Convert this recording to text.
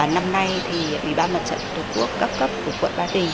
năm nay thì ủy ban mặt trận tổ quốc cấp cấp của quận